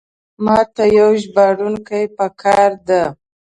ماته یو ژباړونکی پکار ده.